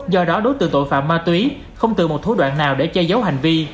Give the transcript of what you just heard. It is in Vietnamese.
do đó đối tượng tội phạm ma túy không từ một thú đoạn nào để che giấu hành vi